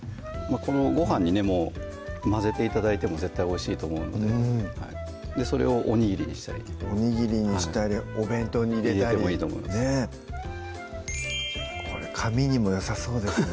このごはんにね混ぜて頂いても絶対おいしいと思うのでそれをおにぎりにしたりおにぎりにしたりお弁当に入れたりねっこれ髪にもよさそうですね